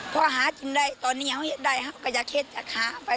พอหากินได้ตอนนี้เขาเห็นได้เขาก็จะเคล็ดจากหาไป